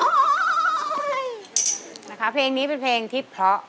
นะคะเพลงนี้เป็นเพลงที่เพราะ